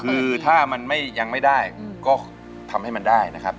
คือถ้ามันยังไม่ได้ก็ทำให้มันได้นะครับ